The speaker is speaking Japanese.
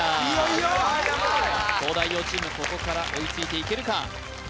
ここから追いついていけるか？